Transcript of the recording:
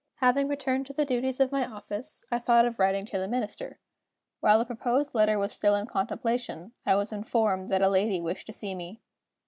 Having returned to the duties of my office, I thought of writing to the Minister. While the proposed letter was still in contemplation, I was informed that a lady wished to see me.